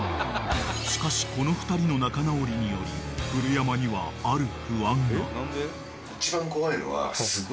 ［しかしこの２人の仲直りにより古山にはある不安が］